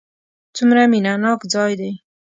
څومره مینه ناک ځای دی.